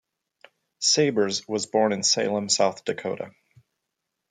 Sabers was born in Salem, South Dakota.